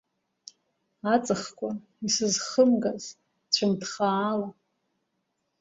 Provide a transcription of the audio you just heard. Аҵхқәа исызхымгаз цәымҭхаала…